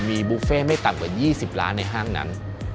มีบุฟเฟ่ไม่ต่ำกว่า๒๐ล้านในห้างนั้น